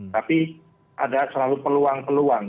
tapi ada selalu peluang peluang